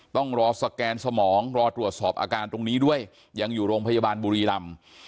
ต้องรอสแกนสมองรอตรวจสอบอาการตรงนี้ด้วยยังอยู่โรงพยาบาลบุรีรำ